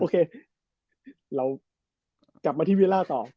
โอเคเรากลับมาที่เวียล่าต่อ